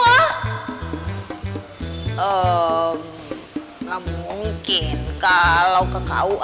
ehm gak mungkin kalau ke koo